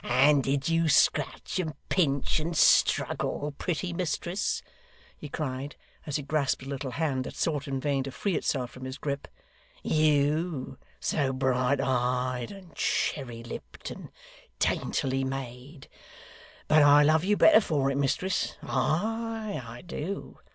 and did you scratch, and pinch, and struggle, pretty mistress?' he cried, as he grasped a little hand that sought in vain to free itself from his grip: 'you, so bright eyed, and cherry lipped, and daintily made? But I love you better for it, mistress. Ay, I do.